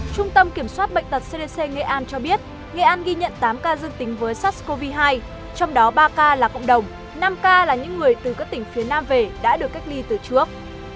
trung tâm kiểm soát bệnh tật cdc nghệ an cho biết nghệ an ghi nhận tám ca dương tính với sars cov hai trong đó ba ca là cộng đồng năm ca là những người từ các tỉnh phía nam về đã được cách ly từ trước